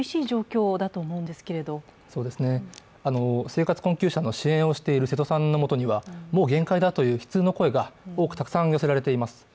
生活困窮者の支援をしている瀬戸さんのもとにはもう限界だという悲痛の声がたくさん寄せられています。